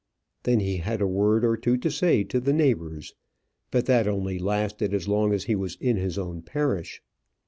Then he had a word or two to say to the neighbours; but that only lasted as long as he was in his own parish.